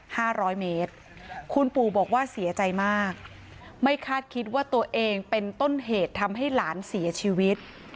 ร้อยเมตรคุณปู่บอกว่าเสียใจมากไม่คาดคิดว่าตัวเองเป็นต้นเหตุทำให้หลานเสียชีวิต